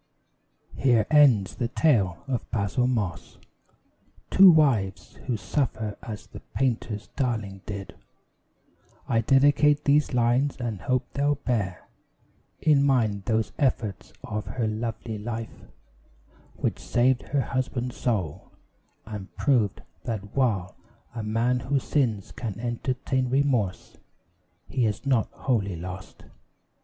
Here ends the tale of Basil Moss. To wives Who suffer as the Painter's darling did, I dedicate these lines; and hope they'll bear In mind those efforts of her lovely life, Which saved her husband's soul; and proved that while A man who sins can entertain remorse, He is not wholly lost.